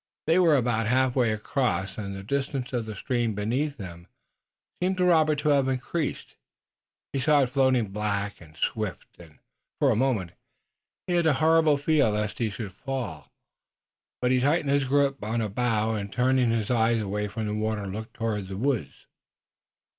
They were about halfway across and the distance of the stream beneath them seemed to Robert to have increased. He saw it flowing black and swift, and, for a moment, he had a horrible fear lest he should fall, but he tightened his grasp on a bough and turning his eyes away from the water looked toward the woods.